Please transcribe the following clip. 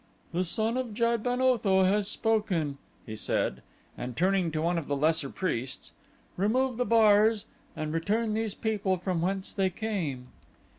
"The son of Jad ben Otho has spoken," he said, and turning to one of the lesser priests: "Remove the bars and return these people from whence they came."